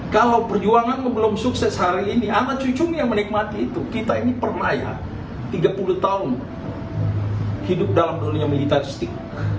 kalau perjuanganmu belum sukses hari ini anak cucumu yang menikmati itu kita ini pernah ya tiga puluh tahun hidup dalam dunia militeristik